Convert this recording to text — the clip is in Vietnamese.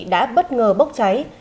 đã bất ngờ bốc cháy